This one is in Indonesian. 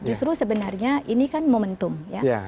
justru sebenarnya ini kan momentum ya